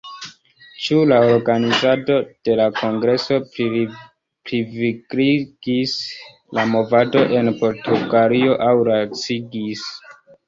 Ĉu la organizado de la kongreso plivigligis la movadon en Portugalio aŭ lacigis?